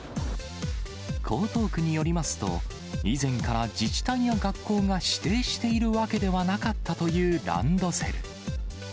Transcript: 江東区によりますと、以前から自治体や学校が指定しているわけではなかったというランドセル。